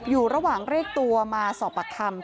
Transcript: อยู่ระหว่างเรียกตัวมาสอบปากคำ